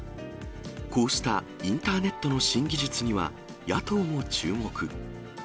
こうしたインターネットの新技術には野党も注目。